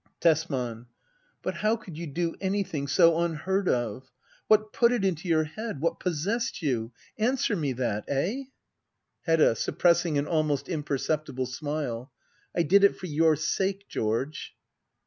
Tesman. But how could you do anything so unheard of? What put it into your head ? What possessed you ? Answer me that— eh ? Hedda. [Suppressing an ahnost imperceptible jme/c.] I did it for your sake, George.